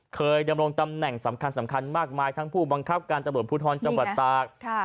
เคยดำรงตำแหน่งสำคัญมากมายทั้งผู้บังคับการสำหรับพุทธรจับทรกษ์ทางศาสตร์